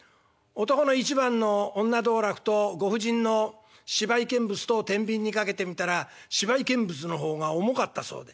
男の一番の女道楽とご婦人の芝居見物とをてんびんにかけてみたら芝居見物の方が重かったそうで。